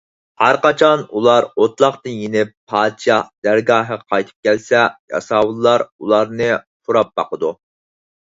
ھەرقاچان ئۇلار ئوتلاقتىن يېنىپ پادىشاھ دەرگاھىغا قايتىپ كەلسە، ياساۋۇللار ئۇلارنى پۇراپ باقىدۇ.